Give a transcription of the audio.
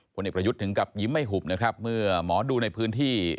เอกประยุทธ์ถึงกับยิ้มไม่หุบนะครับเมื่อหมอดูในพื้นที่